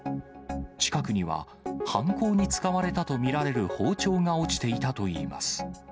近くには、犯行に使われたと見られる包丁が落ちていたといいます。